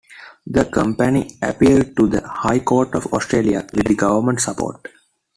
The company appealed to the High Court of Australia with the government's support.